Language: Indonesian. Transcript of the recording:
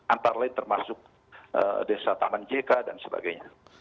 antara lain termasuk desa taman jk dan sebagainya